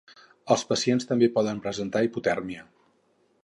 Els pacients també poden presentar hipotèrmia.